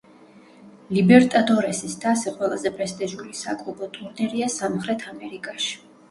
ლიბერტადორესის თასი ყველაზე პრესტიჟული საკლუბო ტურნირია სამხრეთ ამერიკაში.